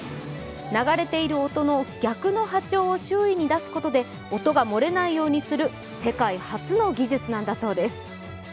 流れている音の逆の波長を周囲に出すことで、音が漏れないようにする世界初の技術なんだそうです。